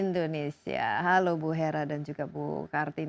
indonesia halo bu hera dan juga bu kartin